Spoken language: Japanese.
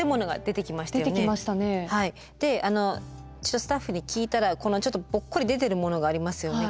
スタッフに聞いたらこのちょっとぼっこり出てるものがありますよね。